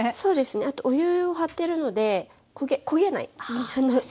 あとお湯を張っているので焦げない。